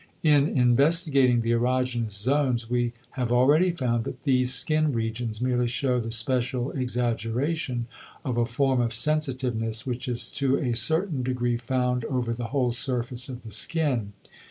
In investigating the erogenous zones we have already found that these skin regions merely show the special exaggeration of a form of sensitiveness which is to a certain degree found over the whole surface of the skin.